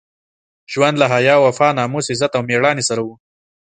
ژوند له حیا، وفا، ناموس، عزت او مېړانې سره وو.